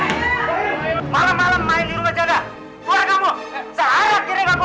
malam malam main di rumah janda